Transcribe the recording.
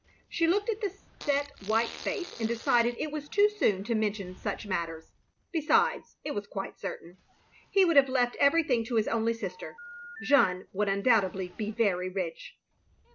She looked at the set white face, and decided it was too soon to mention such matters. Besides, it was quite certain. He would have left every thing to his only sister. Jeanne would undoubt edly be very rich.